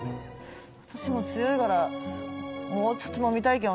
「私も強いからもうちょっと飲みたいけどね」。